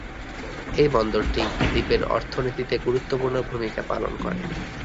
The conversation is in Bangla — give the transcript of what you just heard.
এই বন্দরটি দ্বীপের অর্থনীতিতে গুরুত্বপূর্ণ ভূমিকা পালন করে।